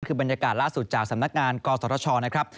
คือบรรยากาศล่าสุดจากสำนักงานกศชนะครับ